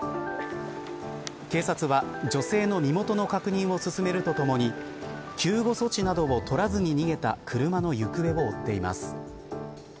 警察は、女性の身元の確認を進めるとともに救護措置などを取らずに逃げた車の行方を追っています。